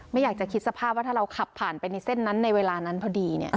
ไม่อยากจะคิดสภาพว่าถ้าเราขับผ่านไปในเส้นนั้นในเวลานั้นพอดี